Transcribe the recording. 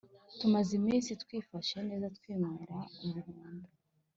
tumaze iminsi twifashe neza twinywera umuhondo